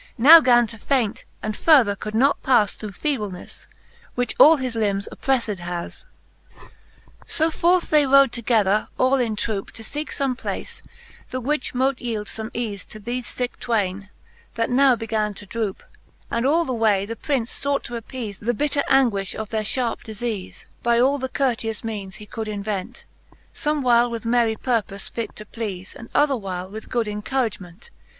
Now gan to faint, and further could not pas Through feeblenefle, which all his limbes opprefTed has. XXXII. So forth they rode together all in troupe, To feeke fome place, the which mote yeeld fome eafe To thefe ficke twaine, that now began to droupe ; And all the way the Prince fought to appeafe The bitter anguifh of their fharpe difeafe, By all the courteous meanes he could invent ; Somewhile with merry purpofe fit to pleafe, And otherwhile with good encouragement.